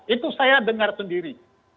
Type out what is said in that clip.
itu saya dengar sendiri